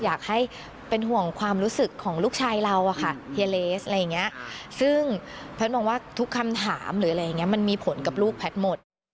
อยากให้เป็นห่วงความรู้สึกของลูกชายเราค่ะเฮเลสอะไรอย่างนี้ซึ่งแพทย์บอกว่าทุกคำถามมันมีผลกับลูกแพทย์หมด